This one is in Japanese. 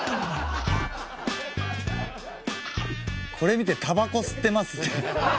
これ見てたばこ吸ってますって。